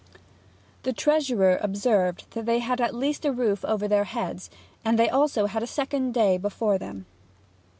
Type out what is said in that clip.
The Treasurer observed that they had at least a roof over their heads; and they had also a second day before them.